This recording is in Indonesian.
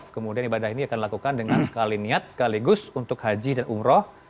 kemudian ibadah ini akan dilakukan dengan sekali niat sekaligus untuk haji dan umroh